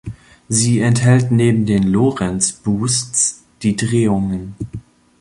Sie enthält neben den Lorentz-Boosts die Drehungen.